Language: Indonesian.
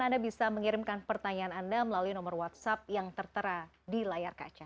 anda bisa mengirimkan pertanyaan anda melalui nomor whatsapp yang tertera di layar kaca